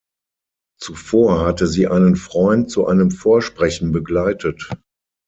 Zuvor hatte sie einen Freund zu einem Vorsprechen begleitet.